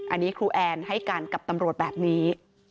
อันนี้ครูแอนให้การกับตำรวจแบบนี้